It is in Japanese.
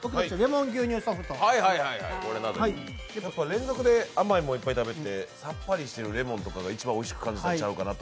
連続で甘いものいっぱい食べてさっぱりしてるレモンとかが一番おいしく感じたんちゃうかな。